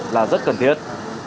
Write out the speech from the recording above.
là rất cần thiết